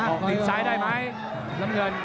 ตีนซ้ายได้ไหมน้ำเงิน